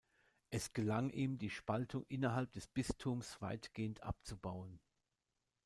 Es gelang ihm die Spaltung innerhalb des Bistums weitgehend abzubauen.